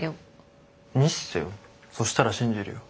そしたら信じるよ。